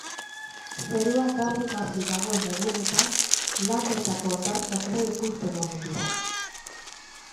Zerua garbi-garbi dagoen egunetan Landetako hondartzak ere ikusten omen dira.